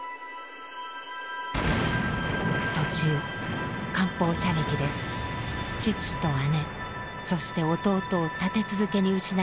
途中艦砲射撃で父と姉そして弟を立て続けに失った美代子さん。